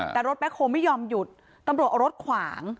แต่รถแบ็คโฮลไม่ยอมหยุดตำรวจเอารถขวาง